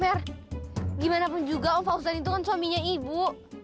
fair gimana pun juga om fauzan itu kan suaminya ibu